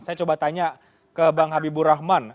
saya coba tanya ke bang habibur rahman